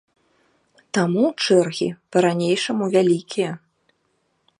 Таму чэргі па-ранейшаму вялікія.